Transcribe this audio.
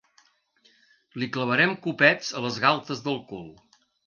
Li clavarem copets a les galtes del cul.